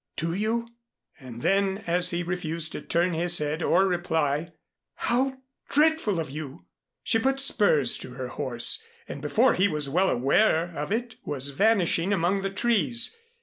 "Do you?" And then, as he refused to turn his head or reply, "Oh, how dreadful of you!" She put spurs to her horse and before he was well aware of it was vanishing among the trees.